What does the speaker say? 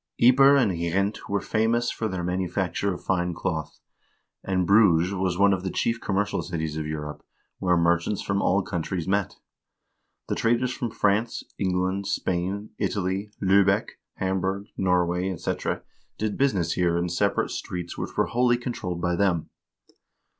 Ypres and Gent were famous for their manufacture of fine cloth, and Bruges was one of the chief commercial cities of Europe, where merchants from all countries met. The traders from France, England, Spain, Italy, Lubeck, Hamburg, Norway, etc., did business here in separate streets which were wholly controlled by them.